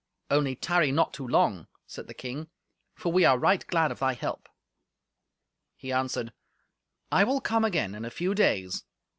"Only tarry not too long," said the king, "for we are right glad of thy help." He answered, "I will come again in a few days.